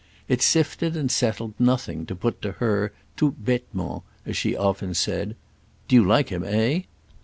It sifted and settled nothing to put to her, tout bêtement, as she often said, "Do you like him, eh?"